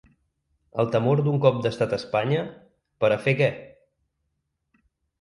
El temor d’un cop d’estat a Espanya… per a fer què?